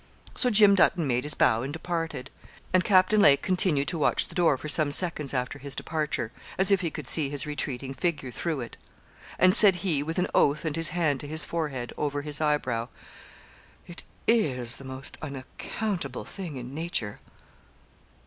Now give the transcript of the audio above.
So Jim Dutton made his bow, and departed; and Captain Lake continued to watch the door for some seconds after his departure, as if he could see his retreating figure through it. And, said he, with an oath, and his hand to his forehead, over his eyebrow 'It is the most unaccountable thing in nature!'